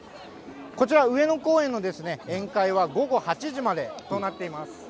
こちら、上野公園の宴会は午後８時までとなっています。